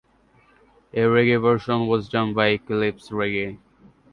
A reggae version was done by Eclipse Reggae.